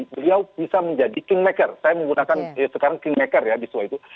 beliau bisa menjadi kingmaker saya menggunakan sekarang kingmaker ya di sua itu